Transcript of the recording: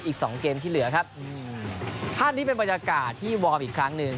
อีกสองเกมที่เหลือครับภาพนี้เป็นบรรยากาศที่วอร์มอีกครั้งหนึ่ง